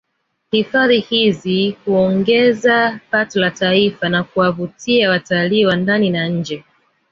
Hifadhi hizi huongeza pato la Taifa na kuwavutia watalii wa ndani na nje